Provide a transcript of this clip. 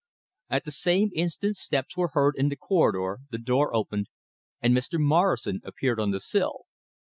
At the same instant steps were heard in the corridor, the door opened, and Mr. Morrison appeared on the sill.